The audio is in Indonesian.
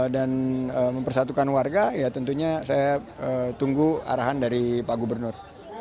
dan mempersatukan warga ya tentunya saya tunggu arahan dari pak gubernur